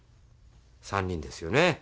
３人ですよね。